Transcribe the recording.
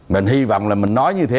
mình hy vọng là mình nói như thế